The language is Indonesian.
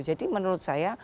jadi menurut saya